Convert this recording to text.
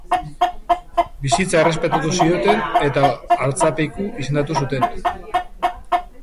Bizitza errespetatu zioten, eta artzapezpiku izendatu zuten.